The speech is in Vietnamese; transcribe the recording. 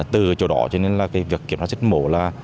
từ chỗ đó cho nên là cái việc kiểm tra giết mổ là